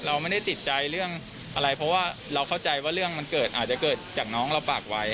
เราไม่ได้ติดใจเรื่องอะไรเพราะว่าเราเข้าใจว่าเรื่องมันเกิดอาจจะเกิดจากน้องเราฝากไว้